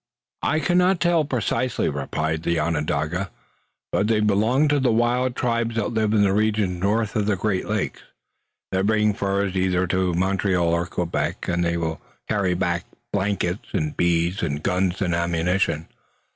"I cannot tell precisely," replied the Onondaga, "but they belong to the wild tribes that live in the regions north of the Great Lakes. They bring furs either to Montreal or Quebec, and they will carry back blankets and beads and guns and ammunition.